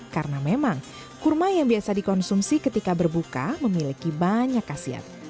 karena memang kurma yang biasa dikonsumsi ketika berbuka memiliki banyak kasiat